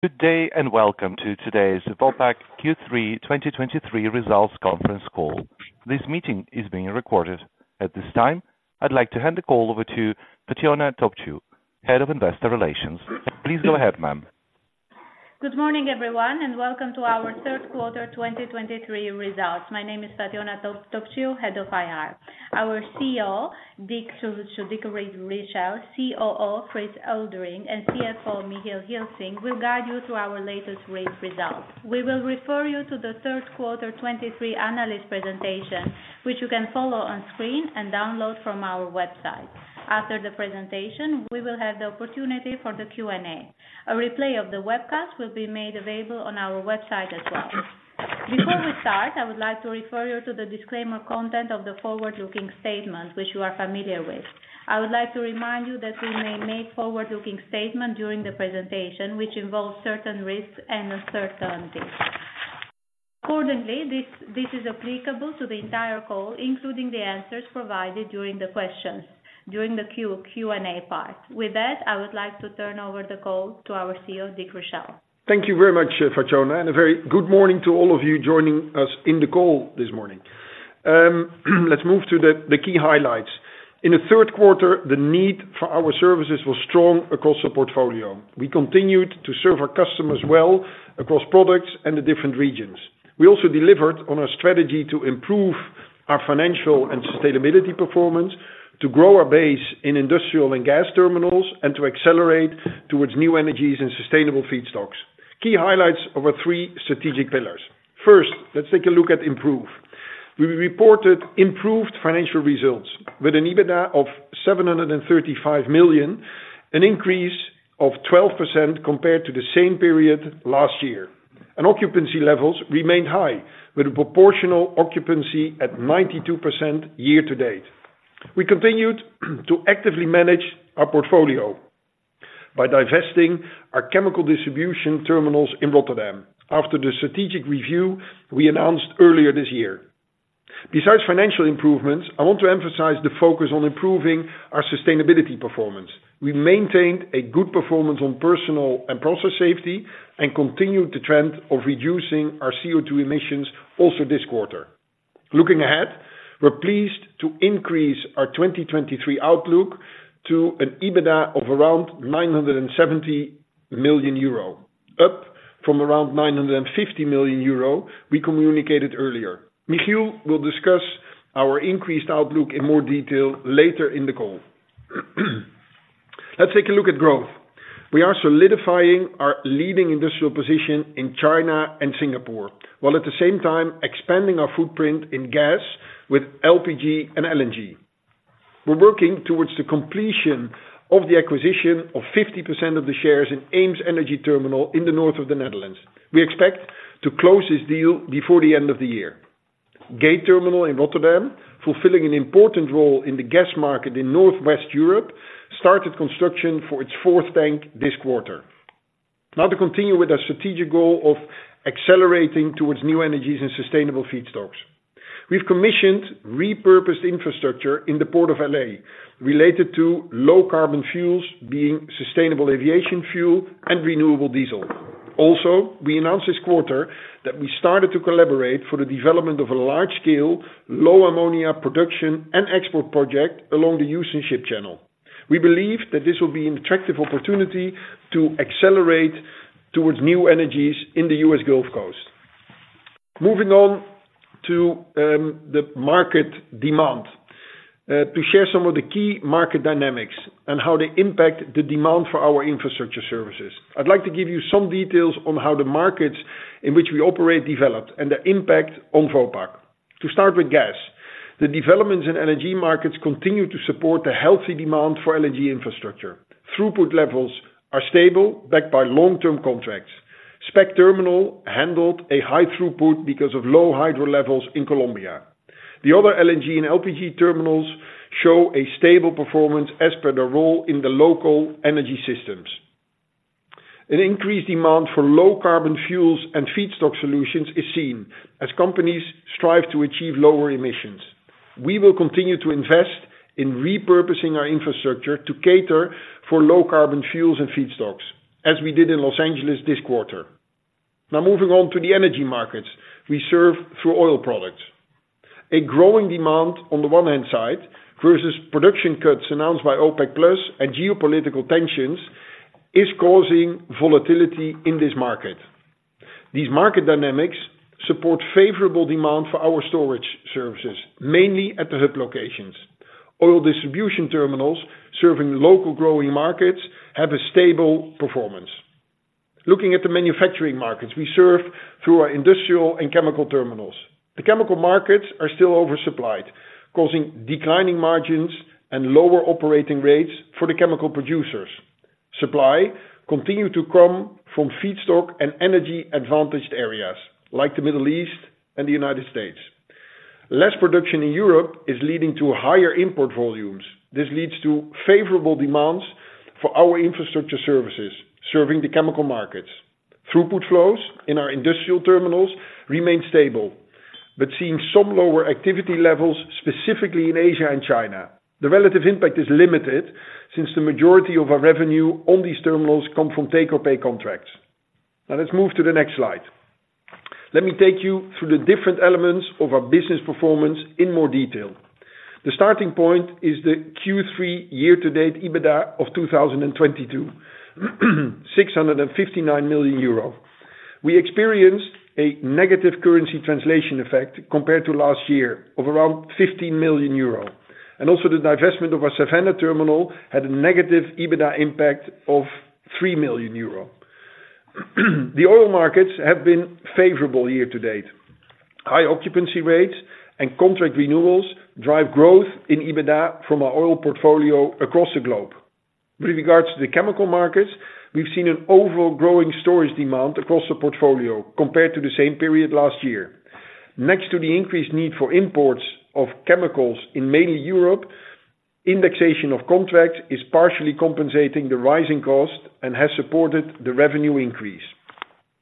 Good day, and welcome to today's Vopak Q3 2023 Results conference call. This meeting is being recorded. At this time, I'd like to hand the call over to Fatjona Topciu, Head of Investor Relations. Please go ahead, ma'am. Good morning, everyone, and welcome to our third quarter 2023 results. My name is Fatjona Topciu, head of IR. Our CEO, Dick, so Dick Richelle, COO Frits Eulderink, and CFO Michiel Gilsing, will guide you through our latest results. We will refer you to the third quarter 2023 analyst presentation, which you can follow on screen and download from our website. After the presentation, we will have the opportunity for the Q&A. A replay of the webcast will be made available on our website as well. Before we start, I would like to refer you to the disclaimer content of the forward-looking statements which you are familiar with. I would like to remind you that we may make forward-looking statements during the presentation, which involve certain risks and uncertainties. Accordingly, this is applicable to the entire call, including the answers provided during the questions, during the Q&A part. With that, I would like to turn over the call to our CEO, Dick Richelle. Thank you very much, Fatjona, and a very good morning to all of you joining us in the call this morning. Let's move to the key highlights. In the third quarter, the need for our services was strong across the portfolio. We continued to serve our customers well across products and the different regions. We also delivered on our strategy to improve our financial and sustainability performance, to grow our base in industrial and gas terminals, and to accelerate towards new energies and sustainable feedstocks. Key highlights of our three strategic pillars. First, let's take a look at improve. We reported improved financial results with an EBITDA of 735 million, an increase of 12% compared to the same period last year, and occupancy levels remained high, with a proportional occupancy at 92% year-to-date. We continued to actively manage our portfolio by divesting our chemical distribution terminals in Rotterdam after the strategic review we announced earlier this year. Besides financial improvements, I want to emphasize the focus on improving our sustainability performance. We maintained a good performance on personal and process safety and continued the trend of reducing our CO2 emissions also this quarter. Looking ahead, we're pleased to increase our 2023 outlook to an EBITDA of around 970 million euro, up from around 950 million euro we communicated earlier. Michiel will discuss our increased outlook in more detail later in the call. Let's take a look at growth. We are solidifying our leading industrial position in China and Singapore, while at the same time expanding our footprint in gas with LPG and LNG. We're working towards the completion of the acquisition of 50% of the shares in EemsEnergy Terminal in the north of the Netherlands. We expect to close this deal before the end of the year. Gate terminal in Rotterdam, fulfilling an important role in the gas market in Northwest Europe, started construction for its fourth bank this quarter. Now, to continue with our strategic goal of accelerating towards new energies and sustainable feedstocks. We've commissioned repurposed infrastructure in the Port of L.A. related to low-carbon fuels, being sustainable aviation fuel and renewable diesel. Also, we announced this quarter that we started to collaborate for the development of a large-scale, low-carbon ammonia production and export project along the Houston Ship Channel. We believe that this will be an attractive opportunity to accelerate towards new energies in the U.S. Gulf Coast. Moving on to the market demand to share some of the key market dynamics and how they impact the demand for our infrastructure services. I'd like to give you some details on how the markets in which we operate developed and the impact on Vopak. To start with gas, the developments in energy markets continue to support a healthy demand for LNG infrastructure. Throughput levels are stable, backed by long-term contracts. SPEC Terminal handled a high throughput because of low hydro levels in Colombia. The other LNG and LPG terminals show a stable performance as per their role in the local energy systems. An increased demand for low-carbon fuels and feedstock solutions is seen as companies strive to achieve lower emissions. We will continue to invest in repurposing our infrastructure to cater for low-carbon fuels and feedstocks, as we did in Los Angeles this quarter. Now, moving on to the energy markets we serve through oil products. A growing demand on the one hand side versus production cuts announced by OPEC+ and geopolitical tensions is causing volatility in this market. These market dynamics support favorable demand for our storage services, mainly at the hub locations. Oil distribution terminals serving local growing markets have a stable performance. Looking at the manufacturing markets we serve through our industrial and chemical terminals. The chemical markets are still oversupplied, causing declining margins and lower operating rates for the chemical producers. Supply continue to come from feedstock and energy-advantaged areas like the Middle East and the United States. Less production in Europe is leading to higher import volumes. This leads to favorable demands for our infrastructure services serving the chemical markets. Throughput flows in our industrial terminals remain stable but seeing some lower activity levels, specifically in Asia and China. The relative impact is limited, since the majority of our revenue on these terminals come from take-or-pay contracts. Now let's move to the next slide. Let me take you through the different elements of our business performance in more detail. The starting point is the Q3 year-to-date EBITDA of 2022, 659 million euro. We experienced a negative currency translation effect compared to last year of around 15 million euro, and also the divestment of our Savannah terminal had a negative EBITDA impact of 3 million euro. The oil markets have been favorable year-to-date. High occupancy rates and contract renewals drive growth in EBITDA from our oil portfolio across the globe. With regards to the chemical markets, we've seen an overall growing storage demand across the portfolio compared to the same period last year. Next to the increased need for imports of chemicals in mainly Europe, indexation of contracts is partially compensating the rising cost and has supported the revenue increase.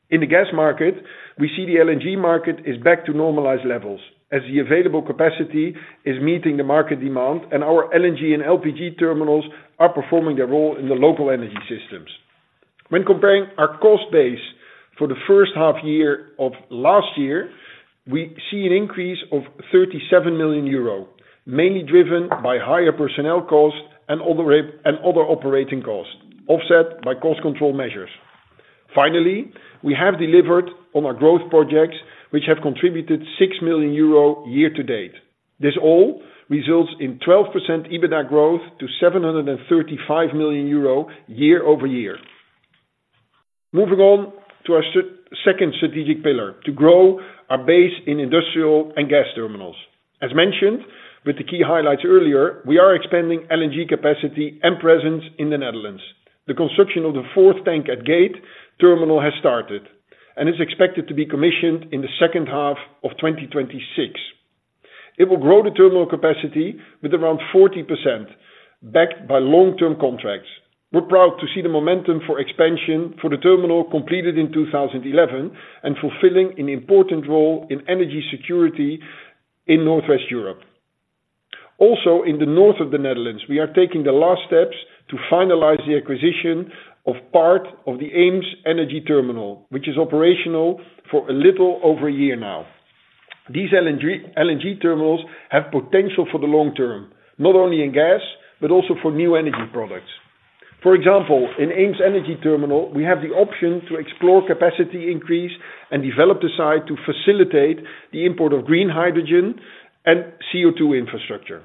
In the gas market, we see the LNG market is back to normalized levels as the available capacity is meeting the market demand, and our LNG and LPG terminals are performing their role in the local energy systems. When comparing our cost base for the first half year of last year, we see an increase of 37 million euro, mainly driven by higher personnel costs and other and other operating costs, offset by cost control measures. Finally, we have delivered on our growth projects, which have contributed 6 million euro year-to-date. This all results in 12% EBITDA growth to 735 million euro year-over-year. Moving on to our second strategic pillar, to grow our base in industrial and gas terminals. As mentioned, with the key highlights earlier, we are expanding LNG capacity and presence in the Netherlands. The construction of the fourth tank at Gate terminal has started, and is expected to be commissioned in the second half of 2026. It will grow the terminal capacity with around 40%, backed by long-term contracts. We're proud to see the momentum for expansion for the terminal completed in 2011, and fulfilling an important role in energy security in Northwest Europe. Also, in the north of the Netherlands, we are taking the last steps to finalize the acquisition of part of the EemsEnergy Terminal, which is operational for a little over a year now. These LNG, LNG terminals have potential for the long term, not only in gas, but also for new energy products. For example, in EemsEnergy Terminal, we have the option to explore capacity increase and develop the site to facilitate the import of green hydrogen and CO2 infrastructure.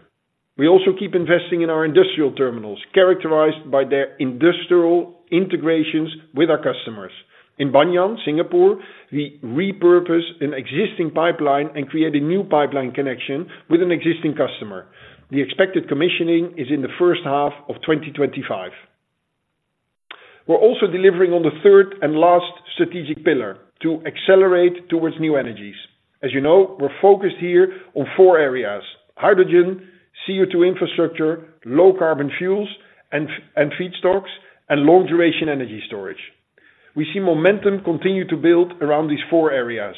We also keep investing in our industrial terminals, characterized by their industrial integrations with our customers. In Banyan, Singapore, we repurpose an existing pipeline and create a new pipeline connection with an existing customer. The expected commissioning is in the first half of 2025. We're also delivering on the third and last strategic pillar, to accelerate towards new energies. As you know, we're focused here on four areas: hydrogen, CO2 infrastructure, low carbon fuels, and, and feedstocks, and long-duration energy storage. We see momentum continue to build around these four areas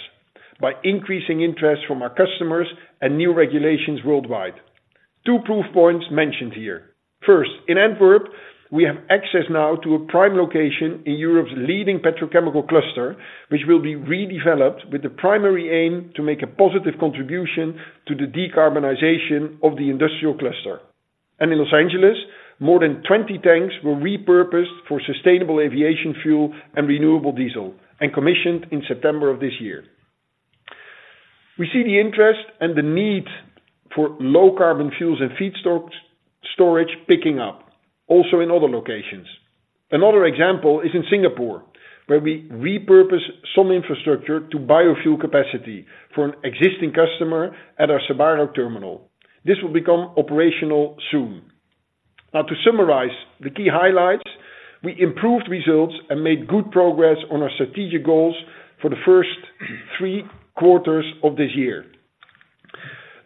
by increasing interest from our customers and new regulations worldwide. Two proof points mentioned here. First, in Antwerp, we have access now to a prime location in Europe's leading petrochemical cluster, which will be redeveloped with the primary aim to make a positive contribution to the decarbonization of the industrial cluster. In Los Angeles, more than 20 tanks were repurposed for sustainable aviation fuel and renewable diesel, and commissioned in September of this year. We see the interest and the need for low carbon fuels and feedstocks storage picking up, also in other locations. Another example is in Singapore, where we repurpose some infrastructure to biofuel capacity for an existing customer at our Sebarok Terminal. This will become operational soon. Now, to summarize the key highlights, we improved results and made good progress on our strategic goals for the first three quarters of this year.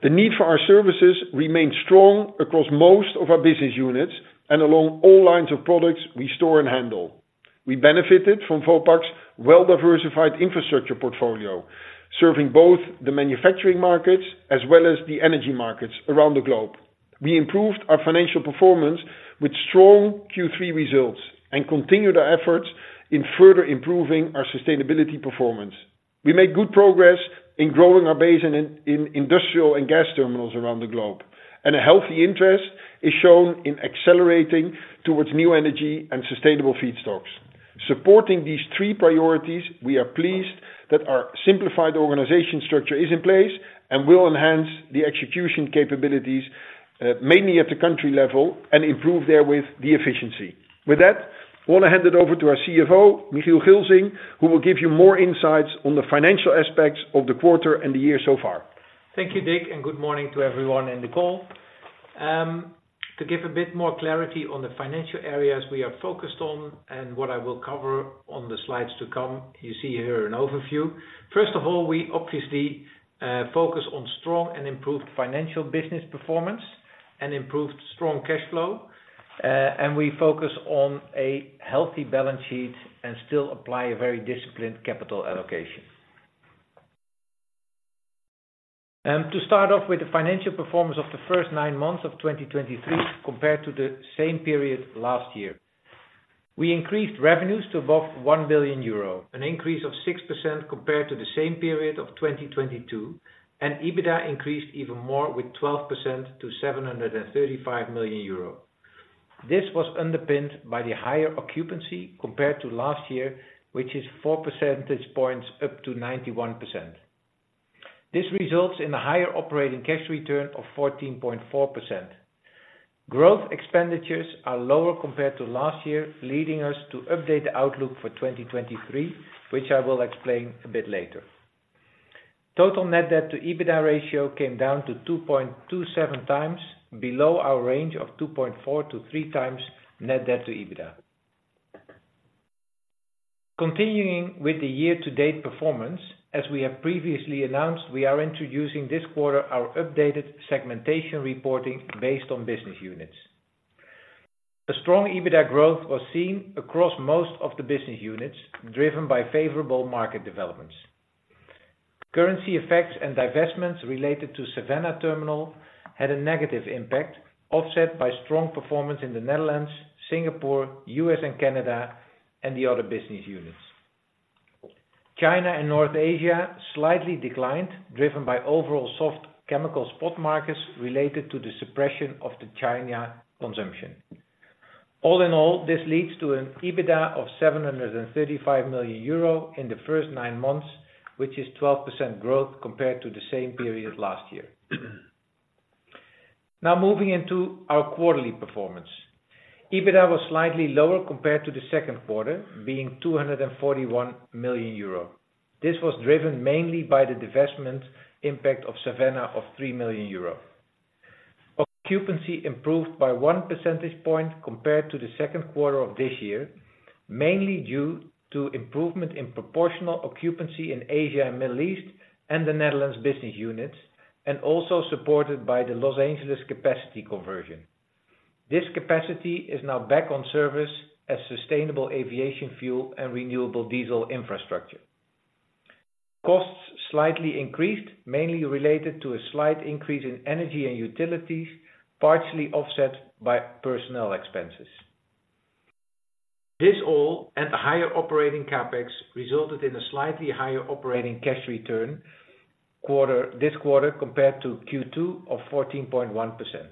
The need for our services remains strong across most of our business units and along all lines of products we store and handle. We benefited from Vopak's well-diversified infrastructure portfolio, serving both the manufacturing markets as well as the energy markets around the globe. We improved our financial performance with strong Q3 results and continued our efforts in further improving our sustainability performance. We made good progress in growing our base industrial and gas terminals around the globe, and a healthy interest is shown in accelerating towards new energy and sustainable feedstocks. Supporting these three priorities, we are pleased that our simplified organization structure is in place and will enhance the execution capabilities mainly at the country level, and improve there with the efficiency. With that, I want to hand it over to our CFO, Michiel Gilsing, who will give you more insights on the financial aspects of the quarter and the year so far. Thank you, Dick, and good morning to everyone in the call. To give a bit more clarity on the financial areas we are focused on and what I will cover on the slides to come, you see here an overview. First of all, we obviously focus on strong and improved financial business performance, and improved strong cash flow. And we focus on a healthy balance sheet, and still apply a very disciplined capital allocation. To start off with the financial performance of the first nine months of 2023, compared to the same period last year. We increased revenues to above 1 billion euro, an increase of 6% compared to the same period of 2022, and EBITDA increased even more, with 12% to 735 million euro. This was underpinned by the higher occupancy compared to last year, which is 4 percentage points up to 91%. This results in a higher operating cash return of 14.4%. Growth expenditures are lower compared to last year, leading us to update the outlook for 2023, which I will explain a bit later. Total net debt to EBITDA ratio came down to 2.27x, below our range of 2.4x-3x net debt to EBITDA. Continuing with the year-to-date performance, as we have previously announced, we are introducing this quarter our updated segmentation reporting based on business units. A strong EBITDA growth was seen across most of the business units, driven by favorable market developments. Currency effects and divestments related to Savannah terminal had a negative impact, offset by strong performance in the Netherlands, Singapore, U.S. and Canada, and the other business units. China and North Asia slightly declined, driven by overall soft chemical spot markets related to the suppression of the China consumption. All in all, this leads to an EBITDA of 735 million euro in the first nine months, which is 12% growth compared to the same period last year. Now, moving into our quarterly performance. EBITDA was slightly lower compared to the second quarter, being 241 million euro. This was driven mainly by the divestment impact of Savannah of 3 million euro. Occupancy improved by one percentage point compared to the second quarter of this year, mainly due to improvement in proportional occupancy in Asia and Middle East, and the Netherlands business units, and also supported by the Los Angeles capacity conversion. This capacity is now back on service as sustainable aviation fuel and renewable diesel infrastructure. Costs slightly increased, mainly related to a slight increase in energy and utilities, partially offset by personnel expenses. This all, and higher operating CapEx, resulted in a slightly higher operating cash return quarter, this quarter, compared to Q2 of 14.1%.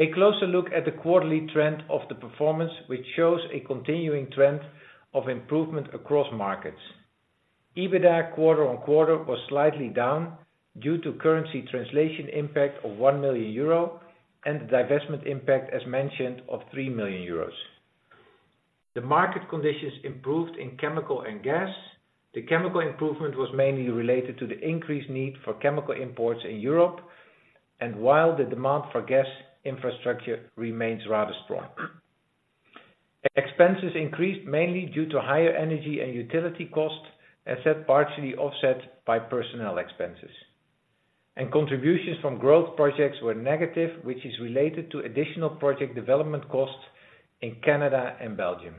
A closer look at the quarterly trend of the performance, which shows a continuing trend of improvement across markets. EBITDA, quarter-on-quarter, was slightly down due to currency translation impact of 1 million euro, and the divestment impact, as mentioned, of 3 million euros. The market conditions improved in chemical and gas. The chemical improvement was mainly related to the increased need for chemical imports in Europe, and while the demand for gas infrastructure remains rather strong. Expenses increased mainly due to higher energy and utility costs, as said, partially offset by personnel expenses. Contributions from growth projects were negative, which is related to additional project development costs in Canada and Belgium.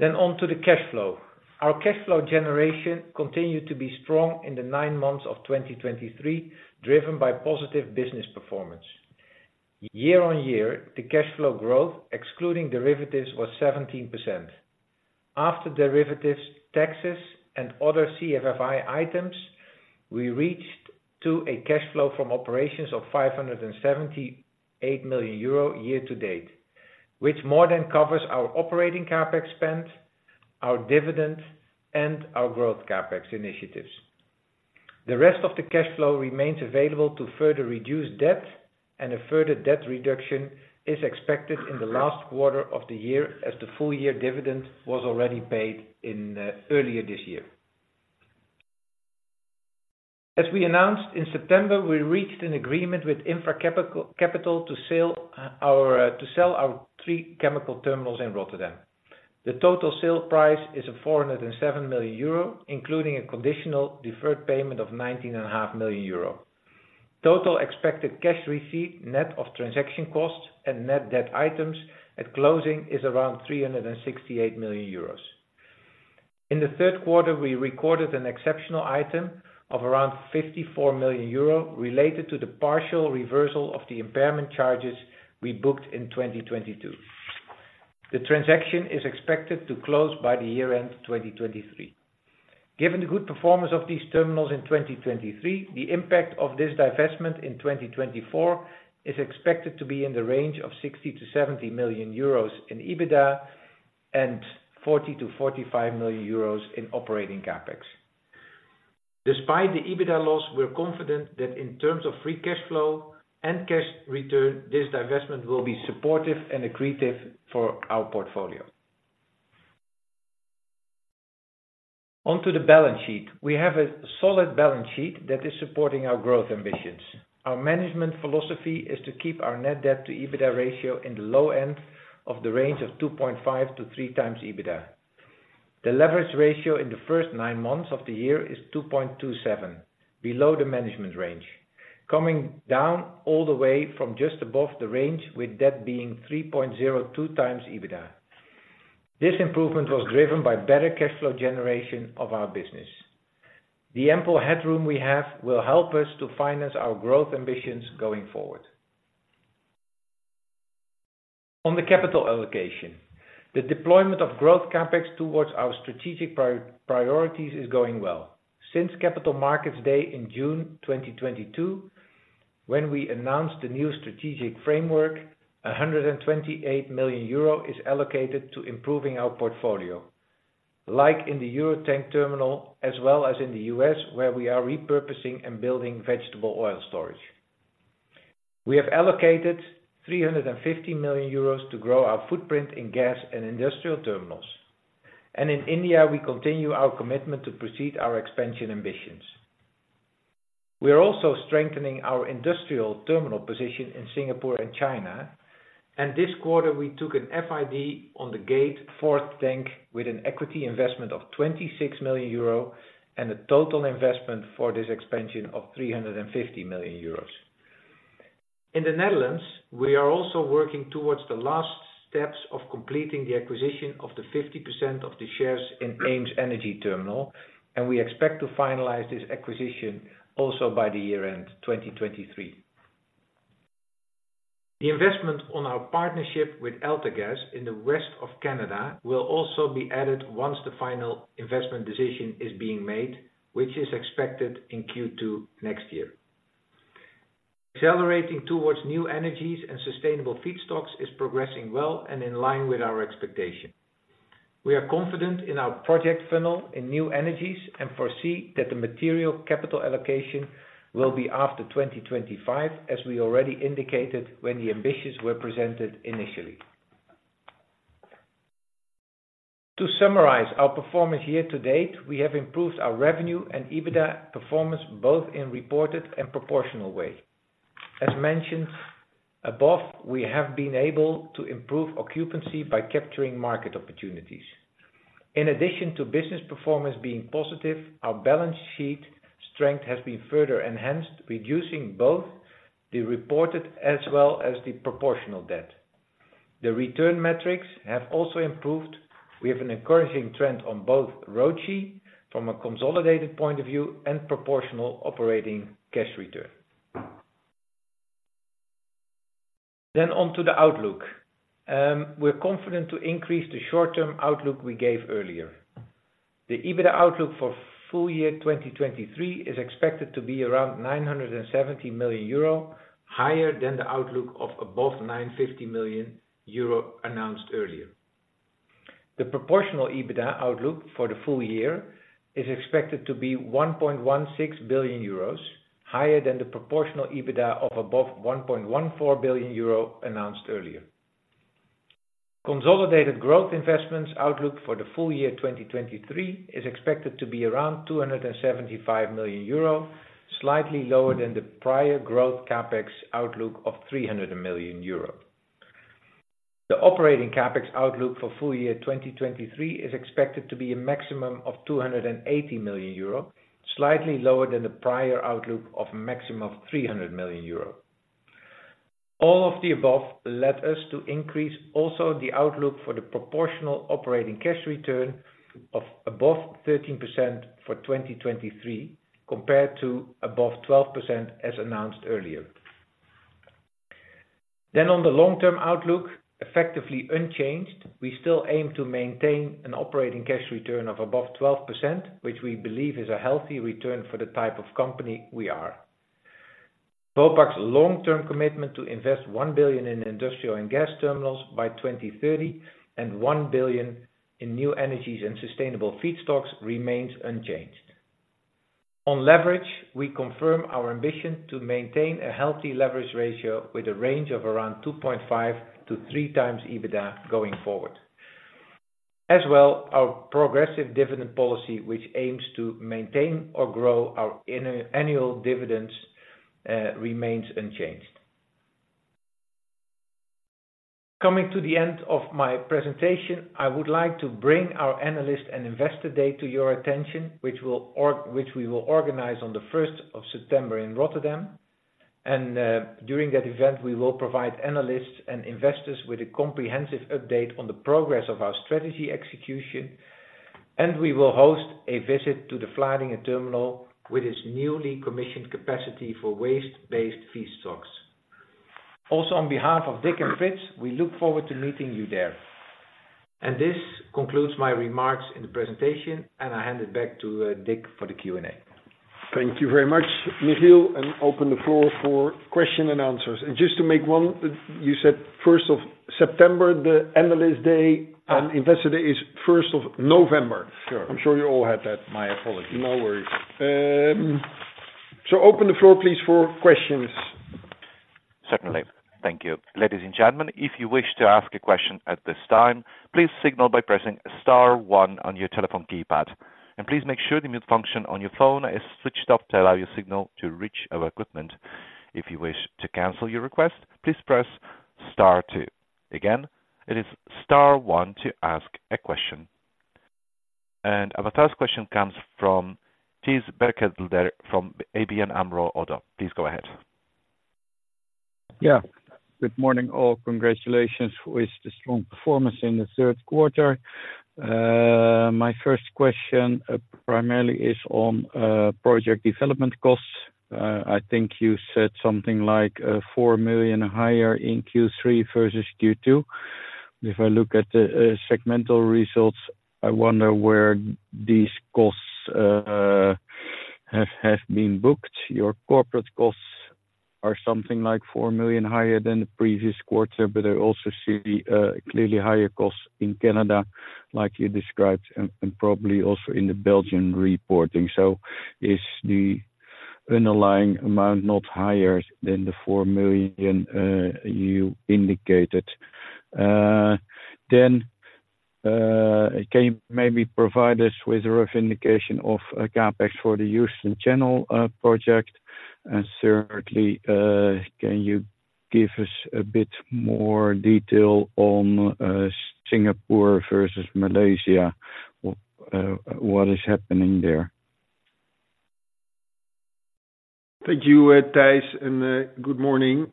Then on to the cash flow. Our cash flow generation continued to be strong in the nine months of 2023, driven by positive business performance. Year on year, the cash flow growth, excluding derivatives, was 17%. After derivatives, taxes, and other CFFI items, we reached to a cash flow from operations of 578 million euro year-to-date, which more than covers our operating CapEx spend, our dividends, and our growth CapEx initiatives. The rest of the cash flow remains available to further reduce debt, and a further debt reduction is expected in the last quarter of the year, as the full year dividend was already paid in earlier this year. As we announced in September, we reached an agreement with Infracapital to sell our three chemical terminals in Rotterdam. The total sale price is 407 million euro, including a conditional deferred payment of 19.5 million euro. Total expected cash receipt, net of transaction costs and net debt items at closing, is around 368 million euros. In the third quarter, we recorded an exceptional item of around 54 million euro, related to the partial reversal of the impairment charges we booked in 2022. The transaction is expected to close by the year-end 2023. Given the good performance of these terminals in 2023, the impact of this divestment in 2024 is expected to be in the range of 60 million-70 million euros in EBITDA, and 40 million-45 million euros in operating CapEx. Despite the EBITDA loss, we're confident that in terms of free cash flow and cash return, this divestment will be supportive and accretive for our portfolio. On to the balance sheet. We have a solid balance sheet that is supporting our growth ambitions. Our management philosophy is to keep our net debt to EBITDA ratio in the low end of the range of 2.5x-3x EBITDA. The leverage ratio in the first nine months of the year is 2.27, below the management range, coming down all the way from just above the range, with debt being 3.02x EBITDA. This improvement was driven by better cash flow generation of our business. The ample headroom we have will help us to finance our growth ambitions going forward. On the capital allocation, the deployment of growth CapEx towards our strategic priorities is going well. Since Capital Markets Day in June 2022, when we announced the new strategic framework, 128 million euro is allocated to improving our portfolio, like in the Euro Tank Terminal, as well as in the U.S., where we are repurposing and building vegetable oil storage. We have allocated 350 million euros to grow our footprint in gas and industrial terminals, and in India, we continue our commitment to proceed our expansion ambitions. We are also strengthening our industrial terminal position in Singapore and China, and this quarter we took an FID on the Gate fourth tank with an equity investment of 26 million euro and a total investment for this expansion of 350 million euros. In the Netherlands, we are also working towards the last steps of completing the acquisition of the 50% of the shares in EemsEnergy Terminal, and we expect to finalize this acquisition also by the year-end, 2023. The investment on our partnership with AltaGas in the west of Canada will also be added once the final investment decision is being made, which is expected in Q2 next year. Accelerating towards new energies and sustainable feedstocks is progressing well and in line with our expectation. We are confident in our project funnel in new energies and foresee that the material capital allocation will be after 2025, as we already indicated, when the ambitions were presented initially. To summarize our performance year-to-date, we have improved our revenue and EBITDA performance, both in reported and proportional way. As mentioned above, we have been able to improve occupancy by capturing market opportunities. In addition to business performance being positive, our balance sheet strength has been further enhanced, reducing both the reported as well as the proportional debt. The return metrics have also improved. We have an encouraging trend on both ROCE from a consolidated point of view and proportional operating cash return. Then on to the outlook. We're confident to increase the short-term outlook we gave earlier. The EBITDA outlook for full year 2023 is expected to be around 970 million euro, higher than the outlook of above 950 million euro announced earlier. The proportional EBITDA outlook for the full year is expected to be 1.16 billion euros, higher than the proportional EBITDA of above 1.14 billion euro announced earlier. Consolidated growth investments outlook for the full year 2023 is expected to be around 275 million euro, slightly lower than the prior growth CapEx outlook of 300 million euro. The operating CapEx outlook for full year 2023 is expected to be a maximum of 280 million euro, slightly lower than the prior outlook of a maximum of 300 million euro. All of the above led us to increase also the outlook for the proportional operating cash return of above 13% for 2023, compared to above 12%, as announced earlier. Then, on the long-term outlook, effectively unchanged, we still aim to maintain an operating cash return of above 12%, which we believe is a healthy return for the type of company we are. Vopak's long-term commitment to invest 1 billion in industrial and gas terminals by 2030 and 1 billion in new energies and sustainable feedstocks remains unchanged. On leverage, we confirm our ambition to maintain a healthy leverage ratio with a range of around 2.5x-3x EBITDA going forward. As well, our progressive dividend policy, which aims to maintain or grow our annual dividends, remains unchanged. Coming to the end of my presentation, I would like to bring our Analyst and Investor Day to your attention, which we will organize on the first of September in Rotterdam. And, during that event, we will provide analysts and investors with a comprehensive update on the progress of our strategy execution, and we will host a visit to the Vlaardingen terminal with its newly commissioned capacity for waste-based feedstocks. Also, on behalf of Dick and Frits, we look forward to meeting you there. And this concludes my remarks in the presentation, and I hand it back to Dick, for the Q&A. Thank you very much, Michiel, and open the floor for question and answers. Just to make one, you said first of September, the Analyst Day and Investor Day is first of November. Sure. I'm sure you all had that. My apologies. No worries. So open the floor, please, for questions. Certainly. Thank you. Ladies and gentlemen, if you wish to ask a question at this time, please signal by pressing star one on your telephone keypad, and please make sure the mute function on your phone is switched off to allow your signal to reach our equipment. If you wish to cancel your request, please press star two. Again, it is star one to ask a question. Our first question comes from Thijs Berkelder from ABN AMRO Oddo. Please go ahead. Yeah. Good morning, all. Congratulations with the strong performance in the third quarter. My first question primarily is on project development costs. I think you said something like 4 million higher in Q3 versus Q2. If I look at the segmental results, I wonder where these costs have been booked. Your corporate costs are something like 4 million higher than the previous quarter, but I also see clearly higher costs in Canada, like you described, and probably also in the Belgian reporting. So is the underlying amount not higher than the 4 million you indicated? Then, can you maybe provide us with a rough indication of CapEx for the Houston Ship Channel project? And thirdly, can you give us a bit more detail on Singapore versus Malaysia? What is happening there? Thank you, Thijs, and good morning.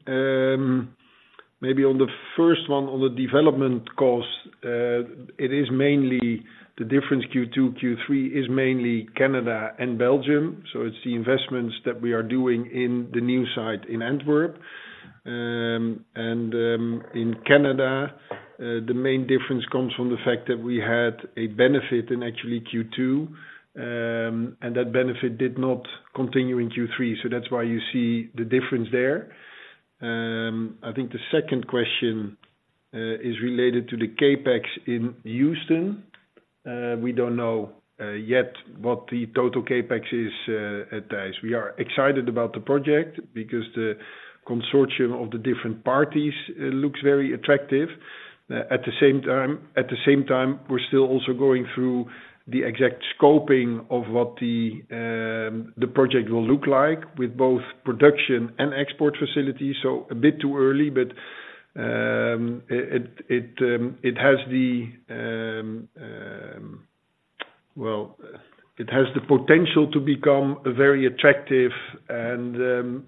Maybe on the first one, on the development costs, it is mainly the difference Q2, Q3 is mainly Canada and Belgium, so it's the investments that we are doing in the new site in Antwerp. And in Canada, the main difference comes from the fact that we had a benefit in actually Q2, and that benefit did not continue in Q3. So that's why you see the difference there. I think the second question is related to the CapEx in Houston. We don't know yet what the total CapEx is at this. We are excited about the project because the consortium of the different parties looks very attractive. At the same time, we're still also going through the exact scoping of what the project will look like with both production and export facilities. So a bit too early, but it has the potential to become a very attractive and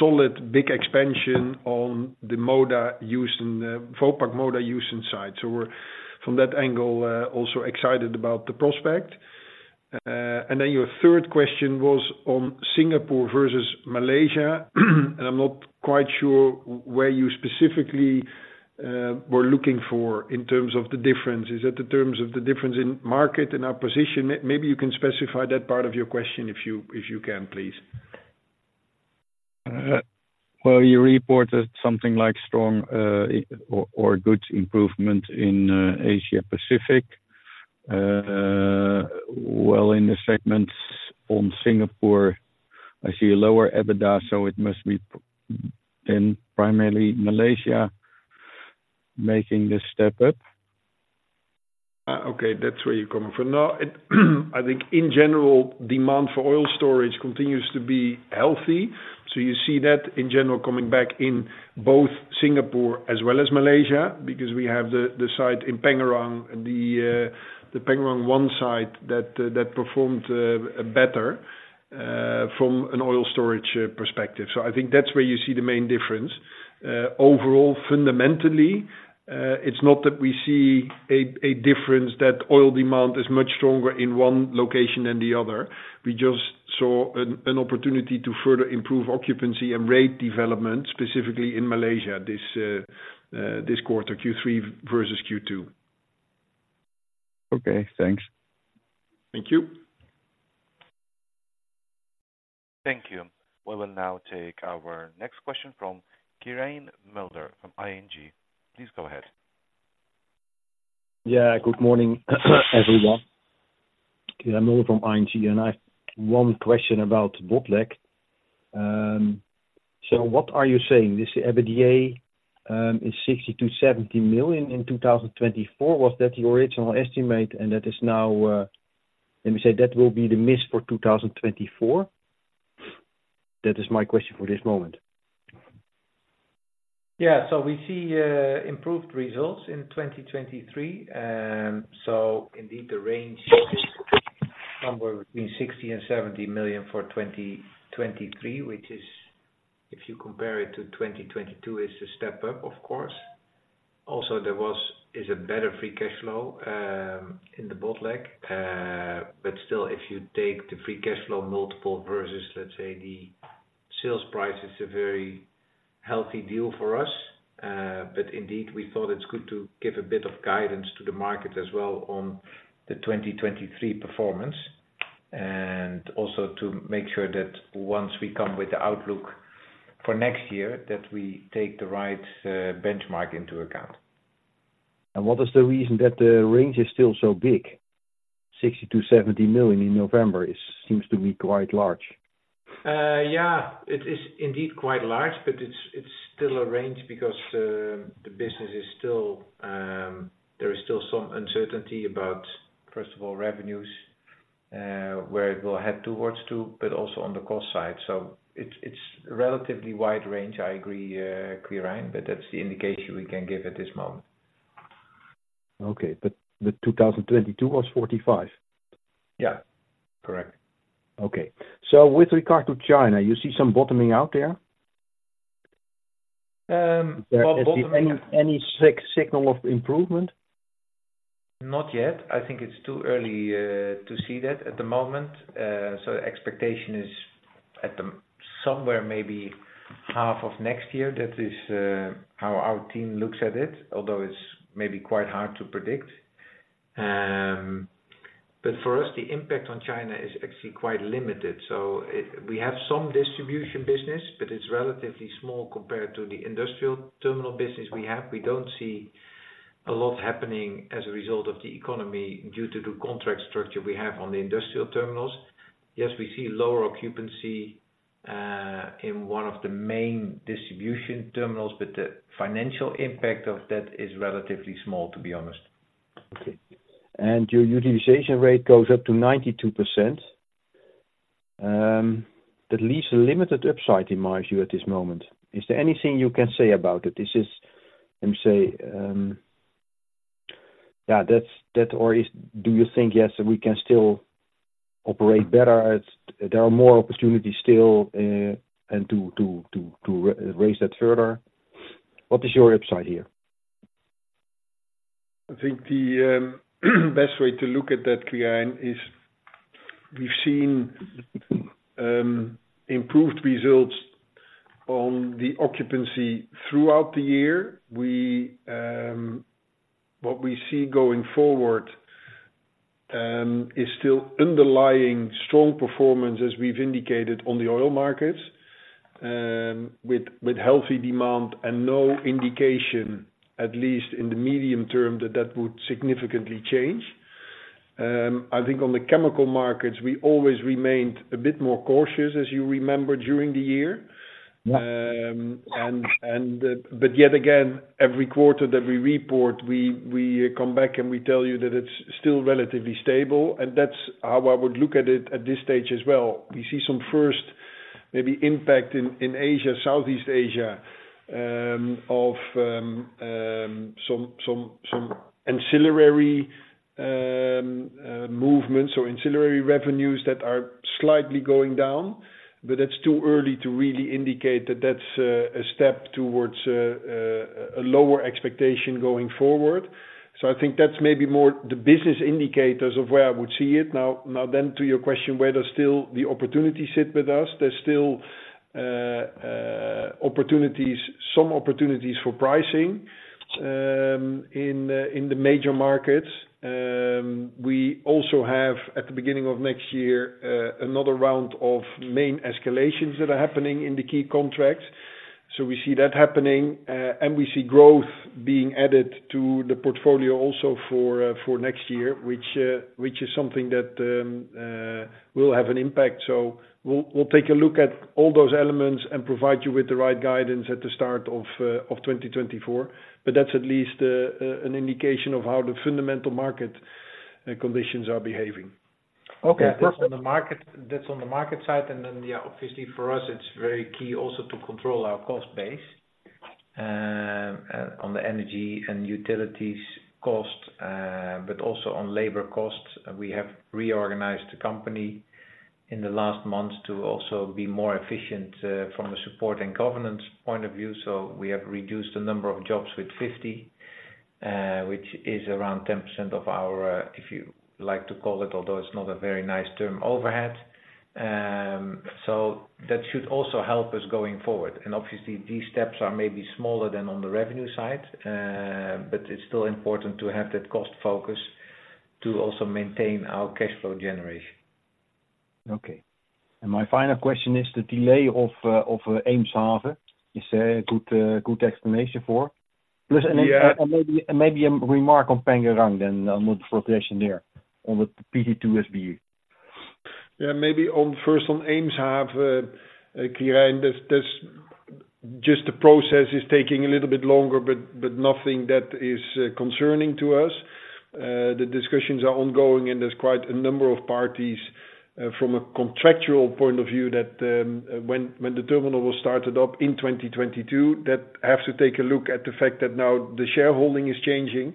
solid, big expansion on the Vopak Moda Houston site. So we're, from that angle, also excited about the prospect. And then your third question was on Singapore versus Malaysia, and I'm not quite sure where you specifically were looking for in terms of the difference. Is that the terms of the difference in market, in our position? Maybe you can specify that part of your question if you can, please. Well, you reported something like strong, or, or good improvement in Asia Pacific. Well, in the segments on Singapore, I see a lower EBITDA, so it must be then primarily Malaysia making this step up. Okay. That's where you're coming from. No, I think in general, demand for oil storage continues to be healthy. So you see that in general coming back in both Singapore as well as Malaysia, because we have the site in Pengerang, the Pengerang one site that performed better from an oil storage perspective. So I think that's where you see the main difference. Overall, fundamentally, it's not that we see a difference that oil demand is much stronger in one location than the other. We just saw an opportunity to further improve occupancy and rate development, specifically in Malaysia, this quarter, Q3 versus Q2. Okay, thanks. Thank you. Thank you. We will now take our next question from Quirijn Mulder, from ING. Please go ahead. Yeah, good morning, everyone. Quirijn Mulder from ING, and I've one question about Botlek. So what are you saying? This EBITDA is 60-70 million in 2024. Was that the original estimate? And that is now, let me say, that will be the miss for 2024. That is my question for this moment. Yeah. So we see improved results in 2023. So indeed, the range is somewhere between 60-70 million for 2023, which is, if you compare it to 2022, a step up, of course. Also, there was, is a better free cash flow in the Botlek. But still, if you take the free cash flow multiple versus, let's say, the sales price, it's a very healthy deal for us. But indeed, we thought it's good to give a bit of guidance to the market as well on the 2023 performance, and also to make sure that once we come with the outlook for next year, that we take the right benchmark into account. What is the reason that the range is still so big? 60 million-70 million in November seems to be quite large. Yeah, it is indeed quite large, but it's still a range because there is still some uncertainty about, first of all, revenues, where it will head towards to, but also on the cost side. So it's a relatively wide range. I agree, Quirijn, but that's the indication we can give at this moment. Okay. But the 2022 was 45? Yeah, correct. Okay. So with regard to China, you see some bottoming out there? Well, bottoming- Any signal of improvement? Not yet. I think it's too early to see that at the moment. So the expectation is at the somewhere maybe half of next year. That is how our team looks at it, although it's maybe quite hard to predict. But for us, the impact on China is actually quite limited. So it—we have some distribution business, but it's relatively small compared to the industrial terminal business we have. We don't see a lot happening as a result of the economy, due to the contract structure we have on the industrial terminals. Yes, we see lower occupancy in one of the main distribution terminals, but the financial impact of that is relatively small, to be honest. Okay. Your utilization rate goes up to 92%. That leaves a limited upside, in my view, at this moment. Is there anything you can say about it? This is, let me say, yeah, that's that or is, do you think, "Yes, we can still operate better, as there are more opportunities still, and to raise that further?" What is your upside here? I think the best way to look at that, Quirijn, is we've seen improved results on the occupancy throughout the year. What we see going forward is still underlying strong performance, as we've indicated on the oil markets, with healthy demand and no indication, at least in the medium term, that that would significantly change. I think on the chemical markets, we always remained a bit more cautious, as you remember, during the year. Yeah. But yet again, every quarter that we report, we come back and we tell you that it's still relatively stable, and that's how I would look at it at this stage as well. We see some first, maybe impact in Asia, Southeast Asia, of some ancillary movements or ancillary revenues that are slightly going down, but it's too early to really indicate that that's a step towards a lower expectation going forward. So I think that's maybe more the business indicators of where I would see it. Now then, to your question, where there's still the opportunity sit with us, there's still opportunities, some opportunities for pricing in the major markets. We also have, at the beginning of next year, another round of main escalations that are happening in the key contracts. So we see that happening, and we see growth being added to the portfolio also for next year, which is something that will have an impact. So we'll take a look at all those elements and provide you with the right guidance at the start of 2024. But that's at least an indication of how the fundamental market conditions are behaving. Okay, perfect. On the market, that's on the market side, and then, yeah, obviously for us, it's very key also to control our cost base, on the energy and utilities cost, but also on labor costs. We have reorganized the company in the last months to also be more efficient, from a support and governance point of view. So we have reduced the number of jobs with 50, which is around 10% of our, if you like to call it, although it's not a very nice term, overhead. So that should also help us going forward. And obviously, these steps are maybe smaller than on the revenue side, but it's still important to have that cost focus to also maintain our cash flow generation. Okay. And my final question is the delay of Eemshaven. Is there a good explanation for? Yeah. Plus, and maybe a remark on Pengerang, then, on the progression there, on the PT2SB. Yeah, maybe on, first, on Eemshaven, Quirijn, that's, that's just the process is taking a little bit longer, but, but nothing that is concerning to us. The discussions are ongoing, and there's quite a number of parties, from a contractual point of view, that, when, when the terminal was started up in 2022, that have to take a look at the fact that now the shareholding is changing,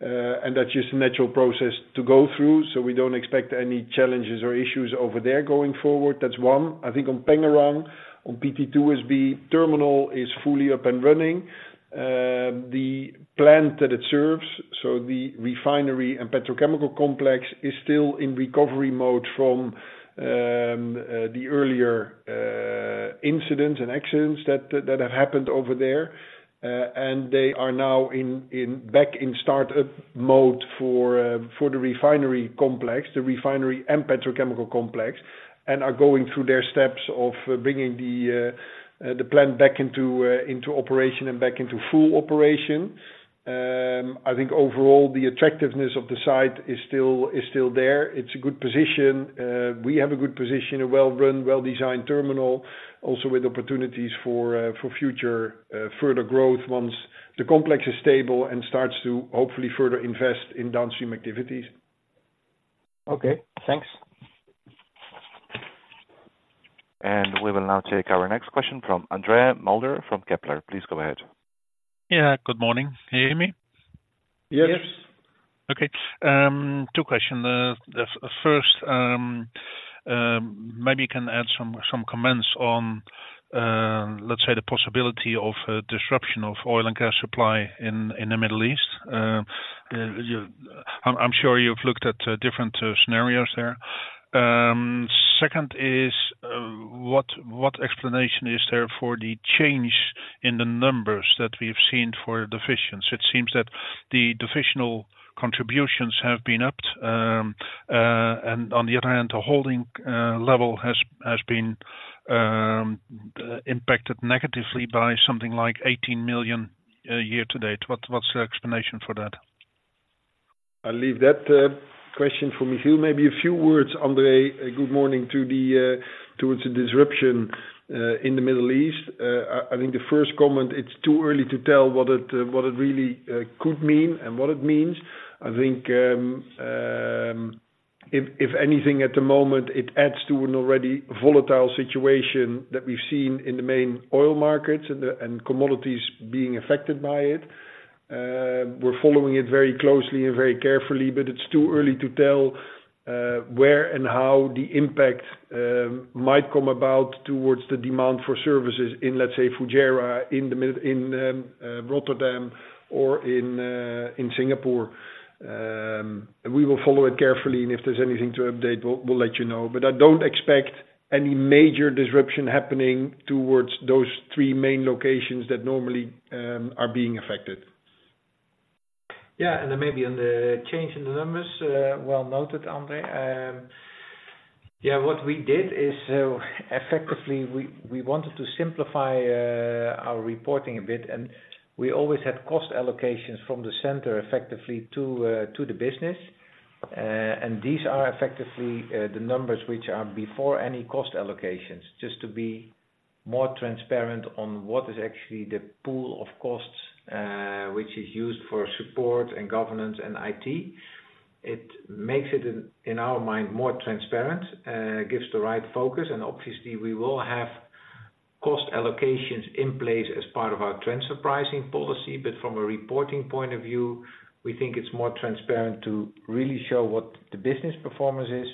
and that's just a natural process to go through. So we don't expect any challenges or issues over there going forward. That's one. I think on Pengerang, on PT2SB terminal is fully up and running. The plant that it serves, so the refinery and petrochemical complex, is still in recovery mode from the earlier incidents and accidents that, that have happened over there. And they are now back in startup mode for the refinery complex, the refinery and petrochemical complex, and are going through their steps of bringing the plant back into operation and back into full operation. I think overall, the attractiveness of the site is still there. It's a good position. We have a good position, a well-run, well-designed terminal, also with opportunities for future further growth once the complex is stable and starts to hopefully further invest in downstream activities. Okay, thanks. We will now take our next question from Andre Mulder from Kepler. Please go ahead. Yeah, good morning. Can you hear me? Yes. Okay. Two questions. The first, maybe you can add some comments on, let's say, the possibility of a disruption of oil and gas supply in the Middle East. I'm sure you've looked at different scenarios there. Second is, what explanation is there for the change in the numbers that we've seen for divisions? It seems that the divisional contributions have been upped. And on the other hand, the holding level has been impacted negatively by something like 18 million year to date. What's the explanation for that? I'll leave that question for Michiel. Maybe a few words, Andre. Good morning. Towards the disruption in the Middle East. I think the first comment, it's too early to tell what it really could mean and what it means. I think if anything, at the moment, it adds to an already volatile situation that we've seen in the main oil markets and commodities being affected by it. We're following it very closely and very carefully, but it's too early to tell where and how the impact might come about towards the demand for services in, let's say, Fujairah, Rotterdam or in Singapore. And we will follow it carefully, and if there's anything to update, we'll let you know. But I don't expect any major disruption happening towards those three main locations that normally are being affected. Yeah, and then maybe on the change in the numbers, well noted, André. Yeah, what we did is, effectively, we wanted to simplify our reporting a bit, and we always had cost allocations from the center effectively to the business. And these are effectively the numbers which are before any cost allocations, just to be more transparent on what is actually the pool of costs which is used for support and governance and IT. It makes it, in our mind, more transparent, gives the right focus, and obviously, we will have cost allocations in place as part of our transfer pricing policy. But from a reporting point of view, we think it's more transparent to really show what the business performance is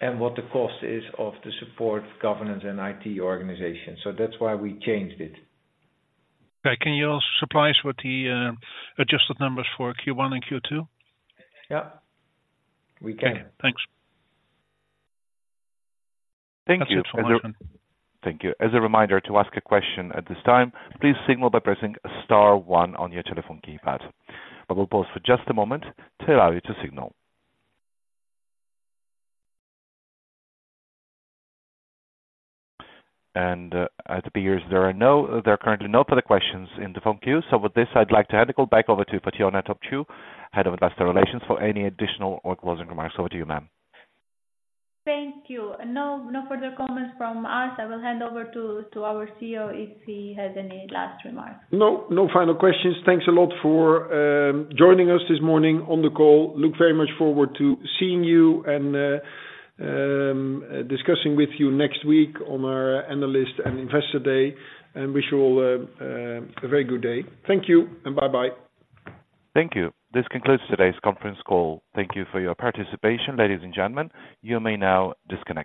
and what the cost is of the support, governance, and IT organization. That's why we changed it. Okay. Can you also supply us with the adjusted numbers for Q1 and Q2? Yeah, we can. Thanks. Thank you. Thank you. As a reminder, to ask a question at this time, please signal by pressing star one on your telephone keypad. I will pause for just a moment to allow you to signal. And, as it appears, there are currently no further questions in the phone queue. So with this, I'd like to hand the call back over to Fatjona Topciu, Head of Investor Relations, for any additional or closing remarks. Over to you, ma'am. Thank you. No, no further comments from us. I will hand over to our CEO if he has any last remarks. No, no final questions. Thanks a lot for joining us this morning on the call. Look very much forward to seeing you and discussing with you next week on our Analyst and Investor Day, and wish you all a very good day. Thank you, and bye-bye. Thank you. This concludes today's conference call. Thank you for your participation, ladies and gentlemen. You may now disconnect.